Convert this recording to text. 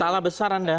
salah besar anda